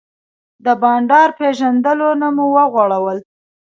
د بانډار پیژلونه مو وغوړول.